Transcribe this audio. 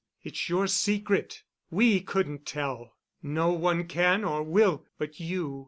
It's your secret. We couldn't tell. No one can or will but you."